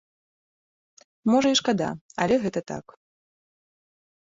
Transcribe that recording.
Можа і шкада, але гэта так.